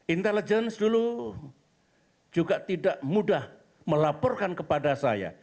intelligence dulu juga tidak mudah melaporkan kepada saya